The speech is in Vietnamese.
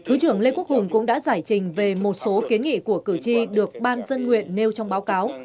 thứ trưởng lê quốc hùng cũng đã giải trình về một số kiến nghị của cử tri được ban dân nguyện nêu trong báo cáo